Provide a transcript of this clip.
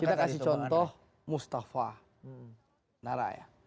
kita kasih contoh mustafa nara ya